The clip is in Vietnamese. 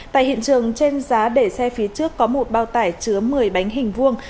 tại hiện trường trên giá để xe phía trước có một bao tải chứa một mươi bánh hình vuông